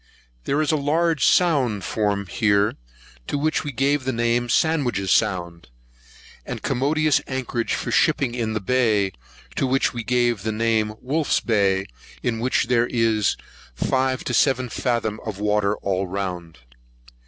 There is a large sound formed here, to which we gave the name of Sandwich's Sound, and commodious anchorage for shipping in the bay, to which we gave the name of Wolf's Bay, in which there is from five to seven fathom water all round.